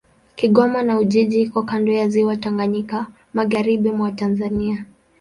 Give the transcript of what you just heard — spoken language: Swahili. Kigoma na Ujiji iko kando ya Ziwa Tanganyika, magharibi mwa Tanzania.